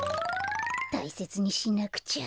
たいせつにしなくちゃ。